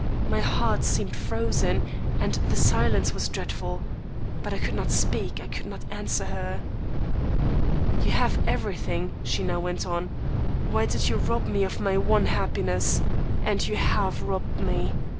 My very heart seemed frozen, and the silence was dreadful. But I could not speak, I could not answer her. "'You have everything,' she now went on. 'Why did you rob me of my one happiness? And you have robbed me.